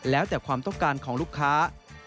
แล้วแต่ความต้องการของลูกค้า